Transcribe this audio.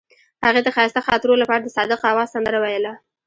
هغې د ښایسته خاطرو لپاره د صادق اواز سندره ویله.